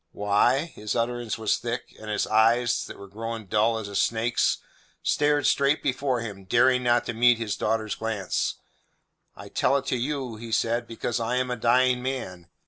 "Why?" His utterance was thick, and his eyes, that were grown dull as a snake's, stared straight before him, daring not to meet his daughter's glance. "I tell it you," he said, "because I am a dying man."